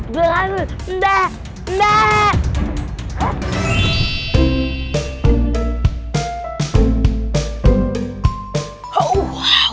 bernama mbak mbak